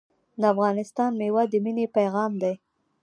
د افغانستان میوه د مینې پیغام دی.